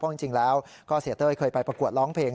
จริงแล้วก็เสียเต้ยเคยไปประกวดร้องเพลง